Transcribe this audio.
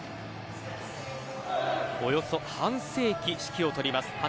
およそ半世紀、指揮を執ります。